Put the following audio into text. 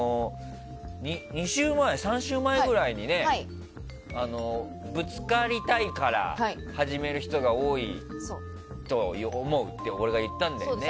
３週前ぐらいにぶつかりたいから、始める人が多いと思うって俺が言ったんだよね。